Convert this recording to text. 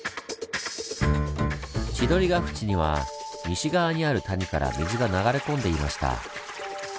千鳥ヶ淵には西側にある谷から水が流れ込んでいました。